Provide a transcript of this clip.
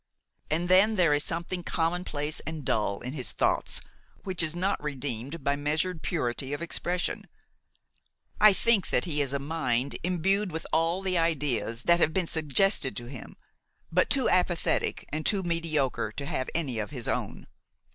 And then there is something commonplace and dull in his thoughts which is not redeemed by measured purity of expression. I think that his is a mind imbued with all the ideas that have been suggested to him, but too apathetic and too mediocre to have any of his own.